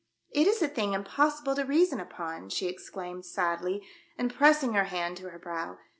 " It is a thing impossible to reason upon," she exclaimed, sadly, and pressing her hand to her brow.